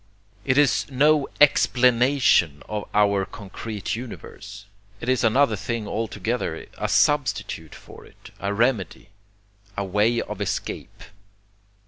It is no EXPLANATION of our concrete universe, it is another thing altogether, a substitute for it, a remedy, a way of escape.